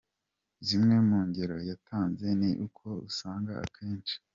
Zimwe mu ngero yatanze ni uko usanga akenshi.